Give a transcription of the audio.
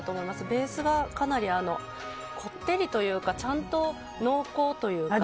ベースがかなりこってりというかちゃんと濃厚というか。